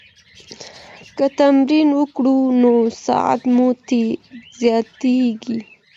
که تمرین وکړئ نو سرعت مو زیاتیږي.